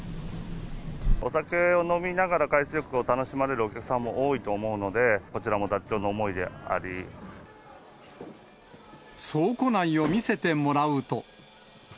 お酒を飲みながら海水浴を楽しまれるお客さんも多いと思うの倉庫内を見せてもらうと。